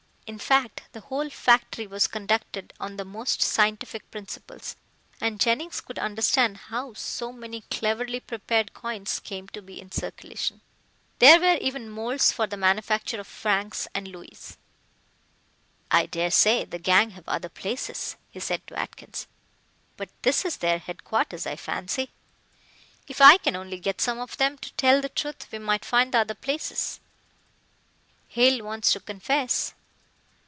In fact the whole factory was conducted on the most scientific principles, and Jennings could understand how so many cleverly prepared coins came to be in circulation. There were even moulds for the manufacture of francs and louis. "I daresay the gang have other places," he said to Atkins, "but this is their headquarters, I fancy. If I can only get some of them to tell the truth we might find the other places." "Hale wants to confess."